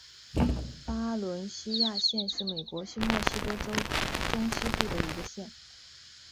巴伦西亚县是美国新墨西哥州中西部的一个县。